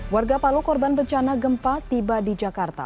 warga palu korban bencana gempa tiba di jakarta